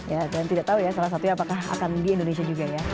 ya dan tidak tahu ya salah satunya apakah akan di indonesia juga ya